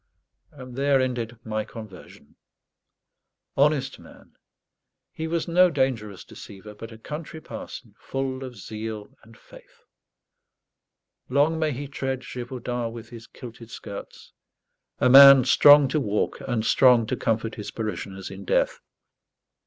And there ended my conversion. Honest man! he was no dangerous deceiver; but a country parson, full of zeal and faith. Long may he tread Gévaudan with his kilted skirts a man strong to walk and strong to comfort his parishioners in death!